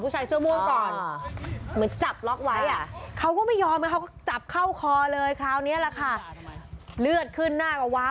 พวกคุณเสื้อมุ้นก่อน